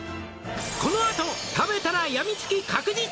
「このあと食べたらやみつき確実！」